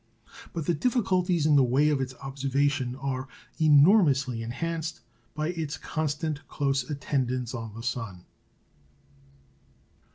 But the difficulties in the way of its observation are enormously enhanced by its constant close attendance on the sun.